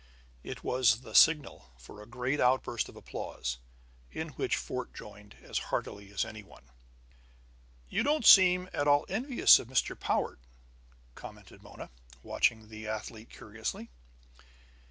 It was the signal for a great outburst of applause, in which Fort joined as heartily as any one. "You don't seem at all envious of Mr. Powart," commented Mona, watching the athlete curiously.